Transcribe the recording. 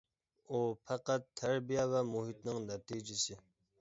ئۇ پەقەت تەربىيە ۋە مۇھىتنىڭ نەتىجىسى.